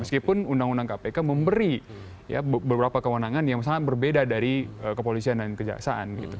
meskipun undang undang kpk memberi beberapa kewenangan yang sangat berbeda dari kepolisian dan kejaksaan gitu